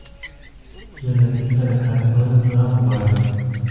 د لرګي سره کار کول زغم غواړي.